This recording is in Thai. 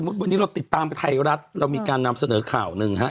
วันนี้เราติดตามไทยรัฐเรามีการนำเสนอข่าวหนึ่งฮะ